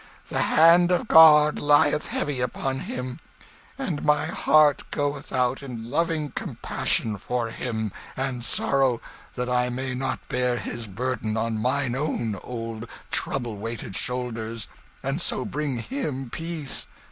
The hand of God lieth heavy upon him, and my heart goeth out in loving compassion for him, and sorrow that I may not bear his burden on mine old trouble weighted shoulders, and so bring him peace."